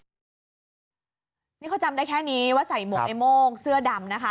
นี่เขาจำได้แค่นี้ว่าใส่หมวกไอ้โม่งเสื้อดำนะคะ